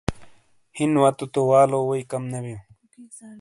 ہِین واتو تو والو ووئی کم نے بِیوں۔